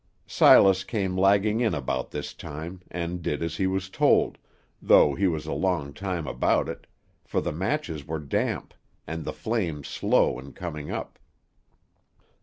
Silas came lagging in about this time, and did as he was told, though he was a long time about it, for the matches were damp, and the flame slow in coming up.